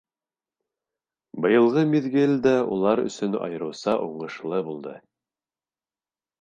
Быйылғы миҙгел дә улар өсөн айырыуса уңышлы булды.